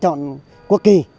chọn quốc kỳ